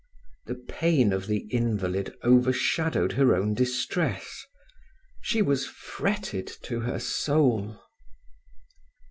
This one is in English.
The pain of the invalid overshadowed her own distress. She was fretted to her soul.